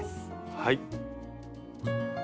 はい。